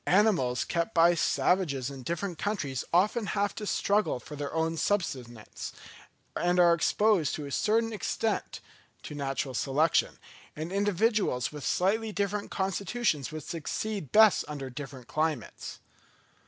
Animals kept by savages in different countries often have to struggle for their own subsistence, and are exposed to a certain extent to natural selection, and individuals with slightly different constitutions would succeed best under different climates.